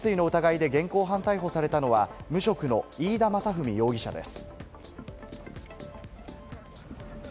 殺人未遂の疑いで現行犯逮捕されたのは無職の飯田雅史容疑者です。